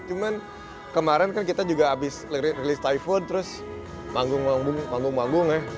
cuman kemarin kan kita juga abis rilis typhone terus panggung manggung ya